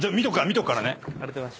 見とくからね。